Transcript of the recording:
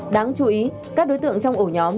đáng chú ý các đối tượng trong ổ nhóm